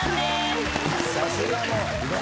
さすがの。